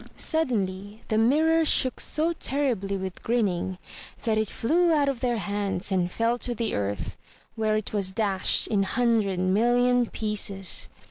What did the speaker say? Suddenly the mirror shook so terribly with grinning, that it flew out of their hands and fell to the earth, where it was dashed in a hundred million pieces.